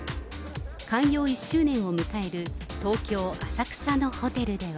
開業１周年を迎える東京・浅草のホテルでは。